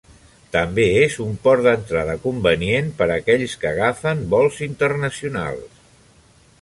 També és un port d'entrada convenient per aquells que agafen vols internacionals.